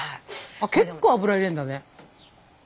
あっ結構油入れんだね。